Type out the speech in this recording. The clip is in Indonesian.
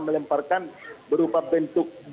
melemparkan berupa bentuk